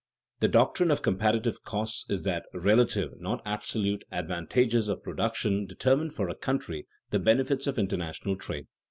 _The doctrine of comparative costs is that relative, not absolute, advantages of production determine for a country the benefits of international trade.